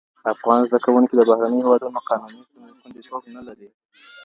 افغان زده کوونکي د بهرنیو هیوادونو قانوني خوندیتوب نه لري.